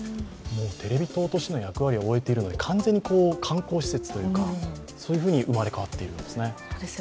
もうテレビ塔としての役割を終えているので完全に観光施設に生まれ変わっているんですね。